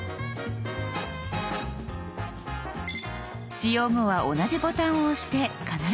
使用後は同じボタンを押して必ず消しましょう。